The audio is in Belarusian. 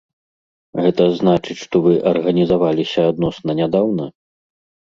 Гэта значыць, што вы арганізаваліся адносна нядаўна?